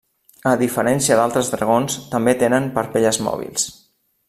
A diferència d'altres dragons, també tenen parpelles mòbils.